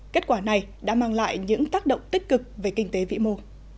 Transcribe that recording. kết quả này đã mang lại những tác động tích cực về kinh tế vĩ mô